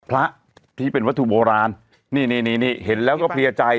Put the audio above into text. พระที่เป็นวัตถุโบราณนี่นี่เห็นแล้วก็เพลียใจ